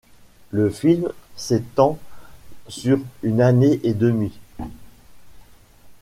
Le film s'étend sur une année et demie.